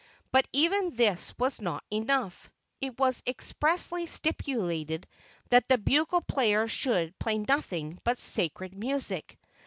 But even this was not enough; it was expressly stipulated that the bugle player should play nothing but sacred music!